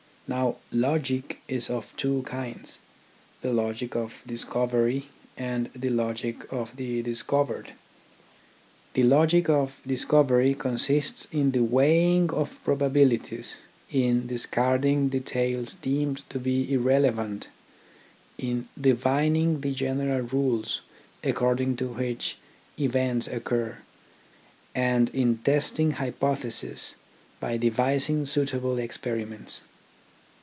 Now logic is of two kinds : the logic of discovery and the logic of the discovered. The logic of discovery consists in the weighing of probabilities, in discarding details deemed to be irrelevant, in divining the general rules according to which events occur, and in testing hypotheses by devising suitable experiments.